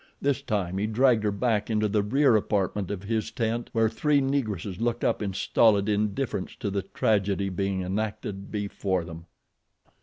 This time he dragged her back into the rear apartment of his tent where three Negresses looked up in stolid indifference to the tragedy being enacted before them.